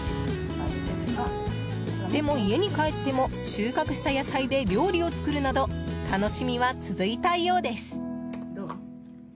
でも、家に帰っても収穫した野菜で料理を作るなど楽しみは続いたようです。